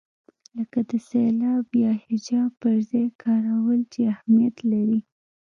لکه د سېلاب یا هجا پر ځای کارول چې اهمیت لري.